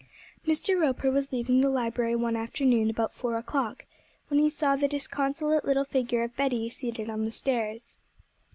Mr. Roper was leaving the library one afternoon about four o'clock, when he saw the disconsolate little figure of Betty seated on the stairs.